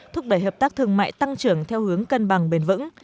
thúc đẩy hợp tác thương mại tăng trưởng theo hướng cân bằng bền vững